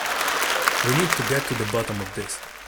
We need to get the bottom of this